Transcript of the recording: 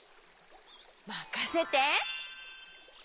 まかせて！